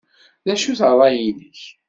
D acu-t ṛṛay-nnek?